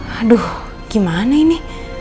aduh gimana ini